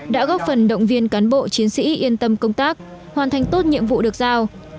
đã góp phần động viên cán bộ chiến sĩ yên tâm công tác hoàn thành tốt nhiệm vụ được giao